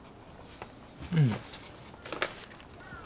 うん。